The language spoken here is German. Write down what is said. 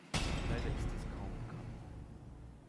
Leider ist dies kaum bekannt.